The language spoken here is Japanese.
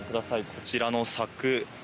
こちらの柵